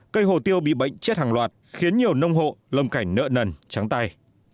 cây hồ tiêu bị bệnh chết hàng loạt khiến nhiều nông hộ lâm cảnh nợ nần trắng tay